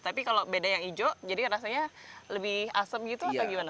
tapi kalau beda yang hijau jadi rasanya lebih asem gitu atau gimana